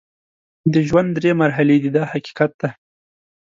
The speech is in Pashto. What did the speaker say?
د ژوند درې مرحلې دي دا حقیقت دی.